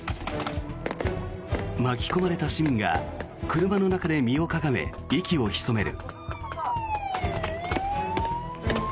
巻き込まれた市民が車の中で身をかがめ息を潜める。